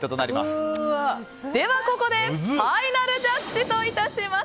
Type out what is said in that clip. ではここでファイナルジャッジといたします。